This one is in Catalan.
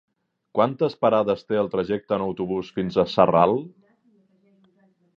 Quantes parades té el trajecte en autobús fins a Sarral?